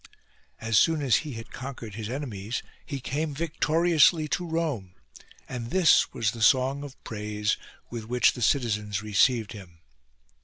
As soon as he had conquered his enemies he came victoriously to Rome, and this was the song of praise with which the citizens re ceived him.